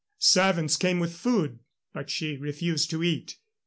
Servants came with food, but she refused to eat.